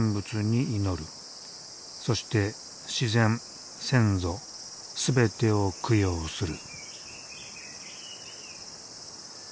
そして自然先祖全てを供養する。